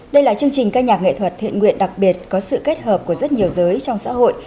đây là chương trình ca nhạc nghệ thuật thiện nguyện đặc biệt có sự kết hợp của rất nhiều giới trong xã hội